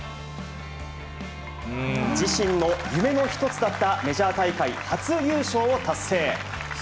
自身の夢の一つだったメジャー大会初優勝を達成。